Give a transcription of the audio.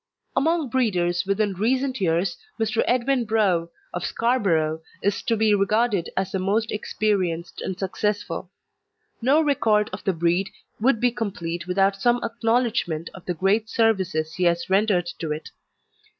Among breeders within recent years Mr. Edwin Brough, of Scarborough, is to be regarded as the most experienced and successful. No record of the breed would be complete without some acknowledgment of the great services he has rendered to it.